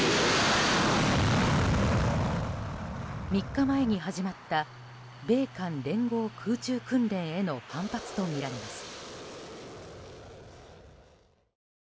３日前に始まった米韓連合空中訓練への反発とみられます。